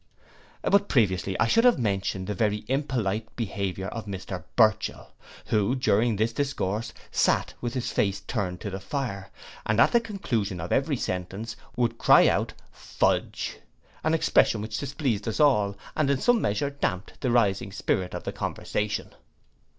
But previously I should have mentioned the very impolite behaviour of Mr Burchell, who, during this discourse, sate with his face turned to the fire, and at the conclusion of every sentence would cry out fudge! an expression which displeased us all, and in some measure damped the rising spirit of the conversation.